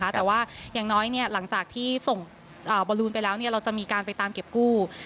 แต่ว่าอย่างน้อยหลังจากที่ส่งบอลลูนไปแล้วเราจะมีการไปตามเก็บกู้